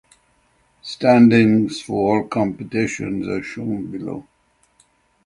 Standings for all competitions are shown below.